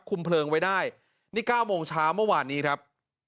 เพลิงไว้ได้นี่๙โมงเช้าเมื่อวานนี้ครับ